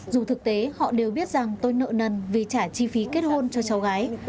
dù thực tế họ đều biết rằng tôi nợ nần vì trả chi phí kết hôn cho cháu gái